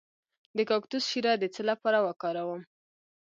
د کاکتوس شیره د څه لپاره وکاروم؟